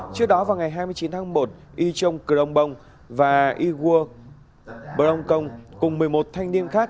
trước đó vào ngày hai mươi chín tháng một y trung cửu long bông và y hua brong kong cùng một mươi một thanh niên khác